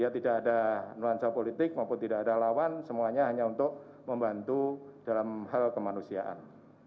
tidak ada nuansa politik maupun tidak ada lawan semuanya hanya untuk membantu dalam hal kemanusiaan